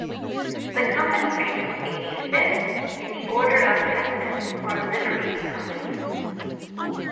The Company ranks eighty-fifth in the order of precedence for Livery Companies.